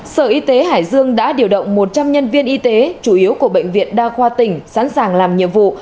sở y tế hải dương đã điều động một trăm linh nhân viên y tế chủ yếu của bệnh viện đa khoa tỉnh sẵn sàng làm nhiệm vụ